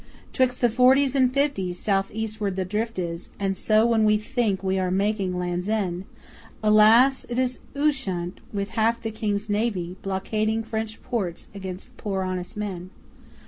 Twix' the Forties and Fifties, South eastward the drift is, And so, when we think we are making Land's End, Alas, it is Ushant With half the King's Navy, Blockading French ports against poor honest men!